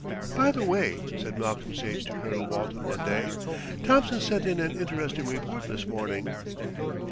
"By the way," said Malcolm Sage to Colonel Walton one day, "Thompson sent in an interesting report this morning."